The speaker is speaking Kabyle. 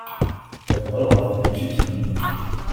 Yeqqel ɣer tneččit-nni.